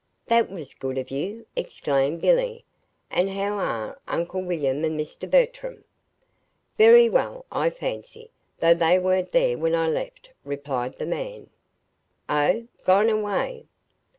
"That was good of you!" exclaimed Billy. "And how are Uncle William and Mr. Bertram?" "Very well, I fancy, though they weren't there when I left," replied the man. "Oh! gone away?"